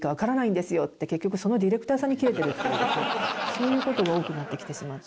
そういう事が多くなってきてしまって。